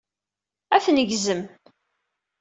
Ad tneggzem.